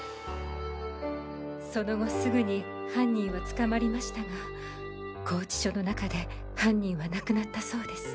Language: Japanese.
その後すぐに犯人は捕まりましたが拘置所の中で犯人は亡くなったそうです。